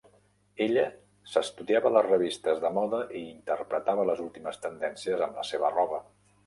Ella s'estudiava les revistes de moda i interpretava les últimes tendències amb la seva roba.